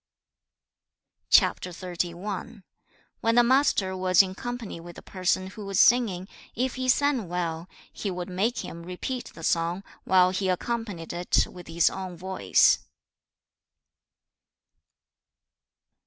CHAP. XXXI. When the Master was in company with a person who was singing, if he sang well, he would make him repeat the song, while he accompanied it with his own voice.